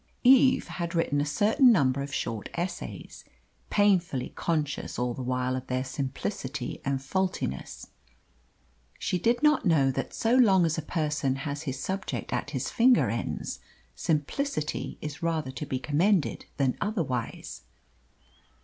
Eve had written a certain number of short essays painfully conscious all the while of their simplicity and faultiness. She did not know that so long as a person has his subject at his finger ends, simplicity is rather to be commended than otherwise.